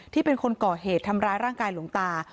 เป็นคนก่อเหตุทำร้ายร่างกายหลวงตา